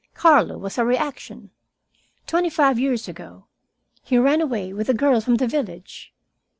Carlo was a reaction. Twenty five years ago he ran away with a girl from the village.